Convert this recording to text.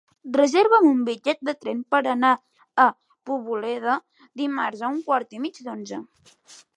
Reserva'm un bitllet de tren per anar a Poboleda dimarts a un quart i mig d'onze.